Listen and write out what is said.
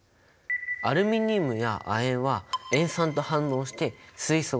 アルミニウムや亜鉛は塩酸と反応して水素が発生した。